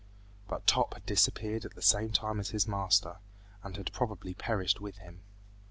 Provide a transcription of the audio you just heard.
But Top had disappeared at the same time as his master, and had probably perished with him.